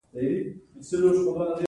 هغه هغې ته د سپین محبت ګلان ډالۍ هم کړل.